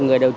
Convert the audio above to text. đã góp sức